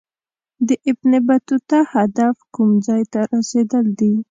د ابن بطوطه هدف کوم ځای ته رسېدل دي.